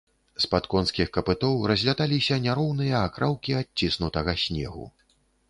З-пад конскіх капытоў разляталіся няроўныя акраўкі адціснутага снегу.